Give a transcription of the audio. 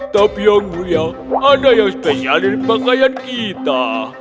tapi yang mulia ada yang spesial dari pakaian kita